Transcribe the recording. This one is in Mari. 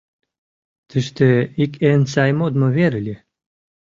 Тыште ик эн сай модмо вер ыле.